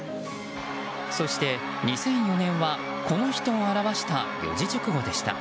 そして、２００４年はこの人を表した四字熟語でした。